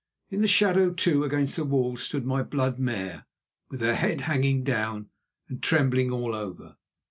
In the shadow, too, against the wall, stood my blood mare with her head hanging down and trembling all over.